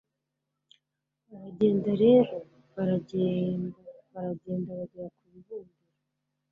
baragenda rero, baragenda, baragenda bagera ku bibumbiro